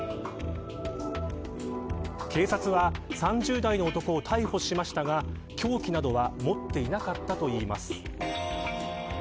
警察は３０代の男を逮捕しましたが凶器などは持っていなかったといいます。